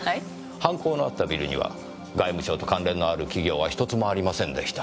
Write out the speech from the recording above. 犯行のあったビルには外務省と関連のある企業は１つもありませんでした。